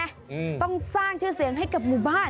อืมต้องสร้างชื่อเสียงให้กับหมู่บ้าน